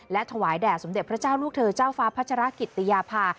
และถวายแด่สมเด็จพระเจ้าลูกเธอเจ้าฟ้าพัชรกิตติยาภา